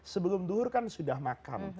sebelum dulu kan sudah makan